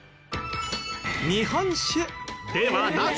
日本酒ではなく。